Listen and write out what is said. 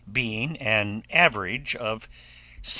being an average of £68.